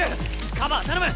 カバー頼む！